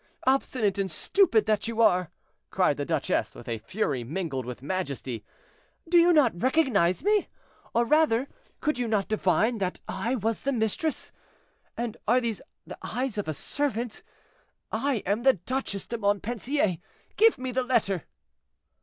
obstinate and stupid that you are," cried the duchess, with a fury mingled with majesty; "do you not recognize me?—or rather, could you not divine that I was the mistress?—and are these the eyes of a servant? I am the Duchesse de Montpensier; give me the letter."